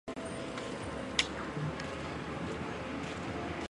中华人民共和国女政治家。